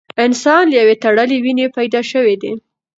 انسان له یوې تړلې وینې پیدا شوی دی.